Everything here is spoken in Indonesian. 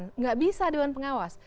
tidak bisa dewan pengawas